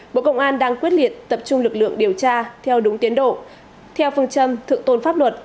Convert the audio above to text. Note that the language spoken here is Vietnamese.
bộ công an đang quyết liệt tập trung lực lượng điều tra theo đúng tiến độ theo phương châm thượng tôn pháp luật